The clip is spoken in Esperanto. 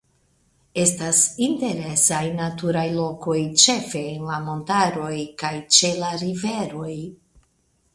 Estas interesaj naturaj lokoj ĉefe en la montaroj kaj ĉe la riveroj.